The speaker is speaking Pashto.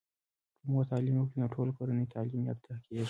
که مور تعليم وکړی نو ټوله کورنۍ تعلیم یافته کیږي.